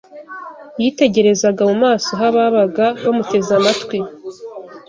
Yitegerezaga mu maso h’ababaga bamuteze amatwi